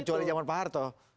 kecuali zaman pak harto